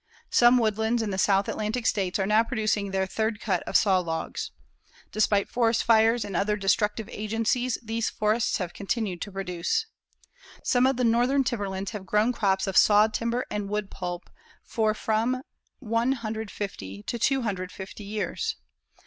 Some woodlands in the South Atlantic States are now producing their third cut of saw logs. Despite forest fires and other destructive agencies, these forests have continued to produce. Some of the northern timberlands have grown crops of saw timber and wood pulp for from one hundred fifty to two hundred fifty years.